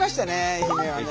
愛媛はね。